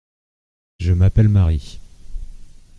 Je m’appelle Mary.